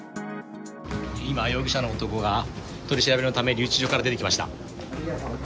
今、容疑者の男が取り調べのため留置所から出てきました。